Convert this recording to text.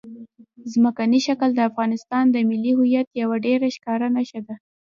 ځمکنی شکل د افغانستان د ملي هویت یوه ډېره ښکاره نښه ده.